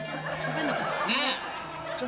ねえ。